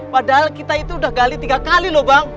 padahal kita itu udah gali tiga kali loh bang